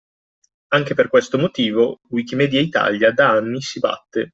Anche per questo motivo, Wikimedia Italia da anni si batte